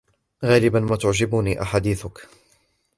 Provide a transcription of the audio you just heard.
غالبا ما تعجبني أحاديثك